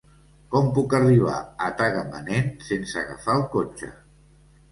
Com puc arribar a Tagamanent sense agafar el cotxe?